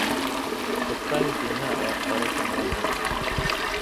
Туҡтайым тиһә, аяҡтары тыңламай.